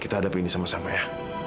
kita hadapi ini sama sama ya